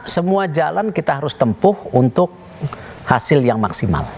semua jalan kita harus tempuh untuk hasil yang maksimal